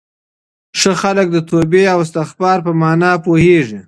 ښه خلک د توبې او استغفار په مانا پوهېږي.